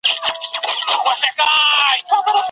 تاسي کله له خپلې مځکي څخه لیدنه کړې؟